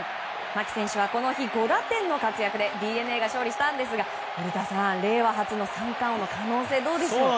牧選手はこの日５打点の活躍でＤｅＮＡが勝利しましたが古田さん、令和初の三冠王の可能性はどうでしょう。